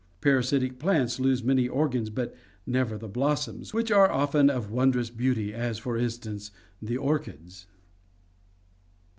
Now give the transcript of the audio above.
Parasitic plants lose many organs but never the blossoms, which are often of wondrous beauty, as for instance, the orchids.